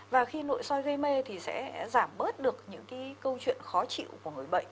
và khi nội soi gây mê thì sẽ giảm bớt được những câu chuyện khó chịu của người bệnh